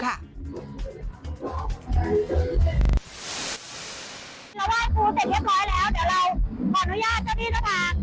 ก็เริ่มจะตอบรวดลงมาด้วยนะที่เป็นตรวจ